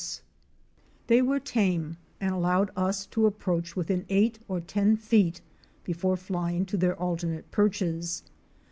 173 They were tame and allowed us to approach within eight or ten feet before flying to their alternate perches.